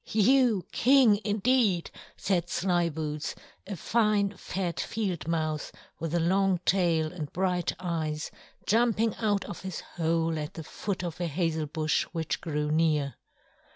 "You King, indeed!" said Slyboots, a fine, fat Field Mouse with a long tail and bright eyes, jumping out of his hole at the foot of a hazel bush which grew near.